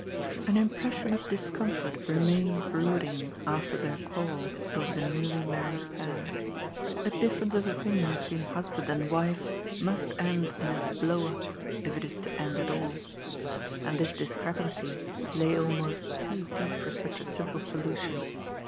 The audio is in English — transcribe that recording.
Ak impression of discomfort remained brooding after their quarrel oyer the newly married pair. A difference of opinion between husband and wife must end in a '^ blow up," if it is to end at aU. And this discrepancy lay almost too deep for such a simple solution.